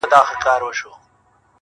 پوليس کور ته راځي ناڅاپه،